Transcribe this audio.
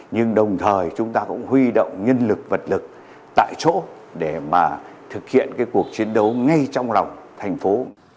nhưng đồng thời chúng ta cũng huy động nhân lực vật lực tại chỗ để mà thực hiện cái cuộc chiến đấu ngay trong lòng thành phố